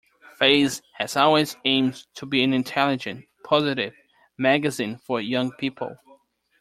"Faze" has always aimed to be an intelligent, positive magazine for young people.